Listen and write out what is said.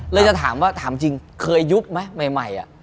จะถามว่าถามจริงเคยยุบไหมใหม่